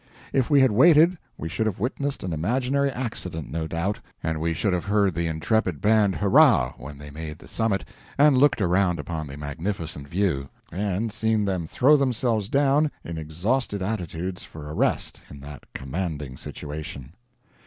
If we had waited we should have witnessed an imaginary accident, no doubt; and we should have heard the intrepid band hurrah when they made the summit and looked around upon the "magnificent view," and seen them throw themselves down in exhausted attitudes for a rest in that commanding situation.